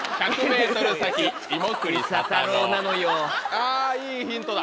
あぁいいヒントだ。